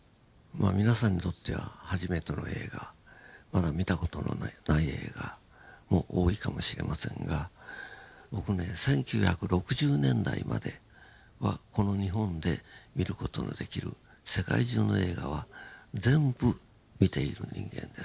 皆さんにとっては初めての映画まだ見た事のない映画も多いかもしれませんが僕ね１９６０年代まではこの日本で見る事のできる世界中の映画は全部見ている人間です。